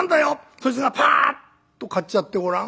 そいつがパッと買っちゃってごらん。